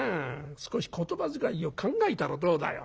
少し言葉遣いを考えたらどうだよ？